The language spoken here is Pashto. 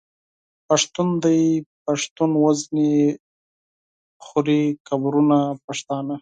پښتون دی پښتون وژني خوري قبرونه پښتانه